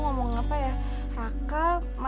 gua ngerjain dia